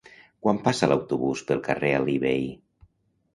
Quan passa l'autobús pel carrer Alí Bei?